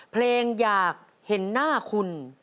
เพลงอยากเห็นหน้าคุณ